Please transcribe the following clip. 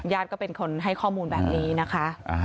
ก็เป็นคนให้ข้อมูลแบบนี้นะคะ